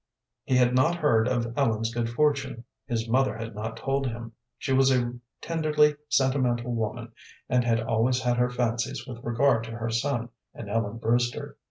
He had not heard of Ellen's good fortune. His mother had not told him. She was a tenderly sentimental woman, and had always had her fancies with regard to her son and Ellen Brewster.